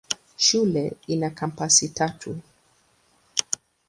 Shule ina kampasi tatu.